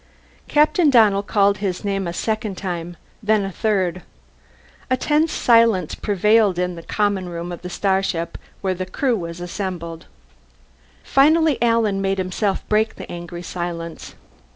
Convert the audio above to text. Captain Donnell called his name a second time, then a third. A tense silence prevailed in the Common Room of the starship, where the Crew was assembled. Finally Alan made himself break the angry silence.